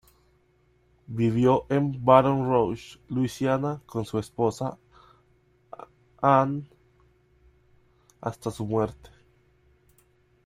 Vivió en Baton Rouge, Louisiana, con su esposa, Anne, hasta su muerte.